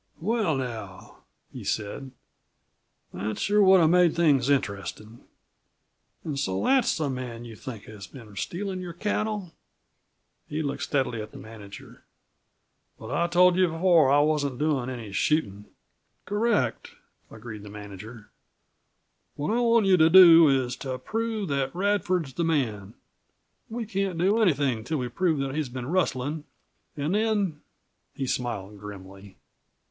"Well, now," he said, "that sure would have made things interestin'. An' so that's the man you think has been stealin' your cattle?" He looked steadily at the manager. "But I told you before that I wasn't doin' any shootin'." "Correct," agreed the manager. "What I want you to do is to prove that Radford's the man. We can't do anything until we prove that he's been rustlin'. An' then " He smiled grimly.